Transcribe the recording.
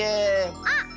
あっ！